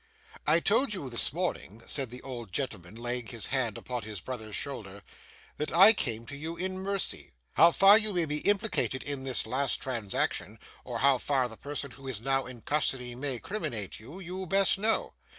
'I told you this morning,' said the old gentleman, laying his hand upon his brother's shoulder, 'that I came to you in mercy. How far you may be implicated in this last transaction, or how far the person who is now in custody may criminate you, you best know.